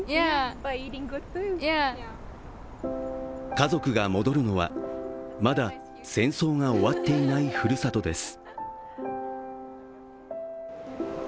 家族が戻るのは、まだ戦争が終わっていないふるさとです。